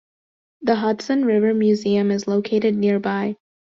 The Hudson River Museum is located nearby.